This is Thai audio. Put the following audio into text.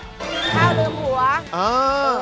กินข้าวลืมหัวเออ